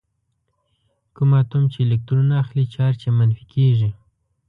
کوم اتوم چې الکترون اخلي چارج یې منفي کیږي.